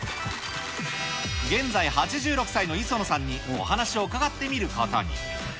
現在８６歳の磯野さんにお話を伺ってみることに。